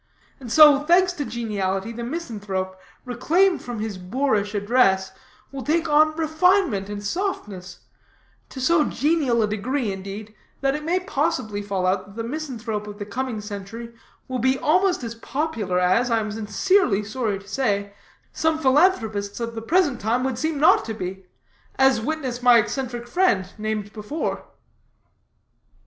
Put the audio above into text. And so, thanks to geniality, the misanthrope, reclaimed from his boorish address, will take on refinement and softness to so genial a degree, indeed, that it may possibly fall out that the misanthrope of the coming century will be almost as popular as, I am sincerely sorry to say, some philanthropists of the present time would seem not to be, as witness my eccentric friend named before."